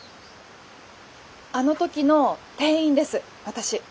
あの時の店員です私。